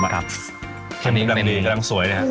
ดิงดังดิงดิงดังสวยนะครับ